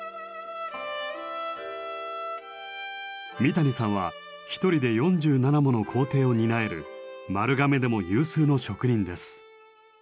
三谷さんは一人で４７もの工程を担える丸亀でも有数の職人です。